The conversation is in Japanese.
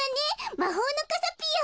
まほうのかさぴよ。